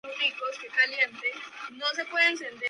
Galería Macarrón, Madrid.